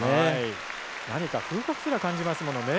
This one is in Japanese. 何か風格すら感じますものね。